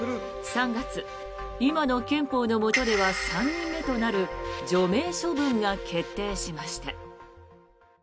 ３月今の憲法のもとでは３人目となる除名処分が決定しました。